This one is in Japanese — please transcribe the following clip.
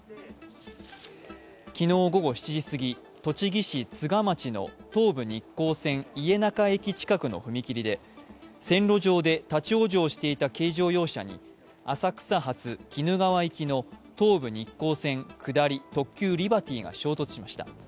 昨日午後７時過ぎ、栃木県都賀町の東武日光線・家中駅近くの踏切で線路上で立往生していた軽乗用車に浅草発・鬼怒川行きの東武日光線下り特急リバティが衝突しました。